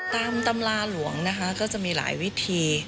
ตำราหลวงนะคะก็จะมีหลายวิธี